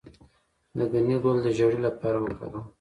د ګنی ګل د زیړي لپاره وکاروئ